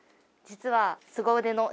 実は。